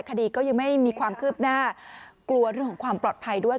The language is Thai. คดีไม่มีความกลัวขึ้นของปลอดภัยด้วย